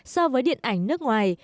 so với điện ảnh nước ngoài